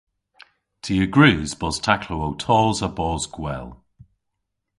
Ty a grys bos taklow ow tos ha bos gwell.